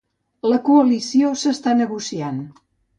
La coalició s'està negociant